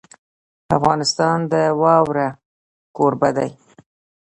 افغانستان د واوره کوربه دی.